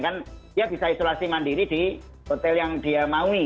kan dia bisa isolasi mandiri di hotel yang dia maui